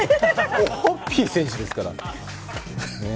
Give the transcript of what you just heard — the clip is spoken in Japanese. オホッピー選手ですから。